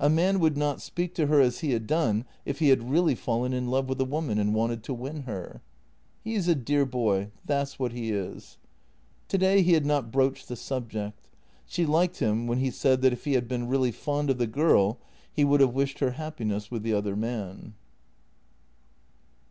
A man would not speak to her as he had done if he had really fallen in love with a woman and wanted to win her. " He is a dear boy; that's what he is." Today he had not broached the subject. She liked him when he said that if he had been really fond of the girl he would have wished her happiness with the other man.